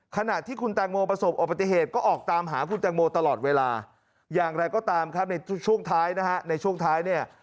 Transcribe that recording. ขณะที่คุณแตงโมประสบอปฏิเหตุก็ออกตามหาคุณแตงโมตลอดเวลาอย่างไรก็ตามครับในช่วงท้ายนะฮะในช่วงท้ายเนี่ย